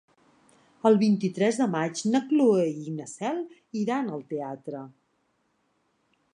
El vint-i-tres de maig na Cloè i na Cel iran al teatre.